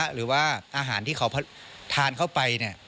หรือว่าอาหารที่เขาทานเข้าไป